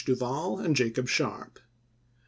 Duval and Jacob Sharpe.